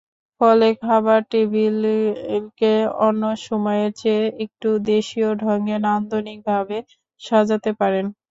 ফলে খাবার টেবিলকে অন্য সময়ের চেয়ে একটু দেশীয় ঢঙে, নান্দনিকভাবে সাজাতে পারেন।